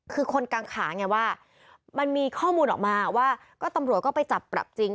คือคนกังขาไงว่ามันมีข้อมูลออกมาว่าก็ตำรวจก็ไปจับปรับจริง